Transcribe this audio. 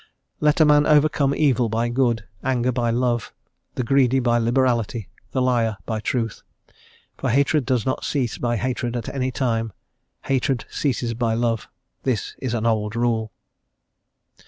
"Let a man overcome evil by good, anger by love, the greedy by liberality, the liar by truth. For hatred does not cease by hatred at any time; hatred ceases by love; this is an old rule."